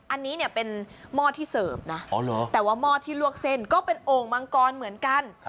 อันนี้เนี่ยเป็นหม้อที่เสิร์ฟนะแต่ว่าหม้อที่ลวกเส้นก็เป็นโอ่งมังกรเหมือนกัน